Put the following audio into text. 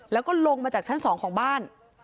แล้วก็ลงมาจากชั้น๒ของบ้าน